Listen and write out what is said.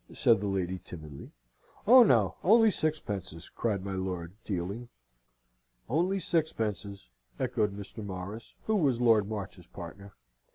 said the lady, timidly. "Oh no, only sixpences," cried my lord, dealing. "Only sixpences," echoed Mr. Morris, who was Lord March's partner.